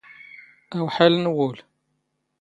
ⴰⵡⵃⴰⵍ ⵏ ⵡⵓⵍ.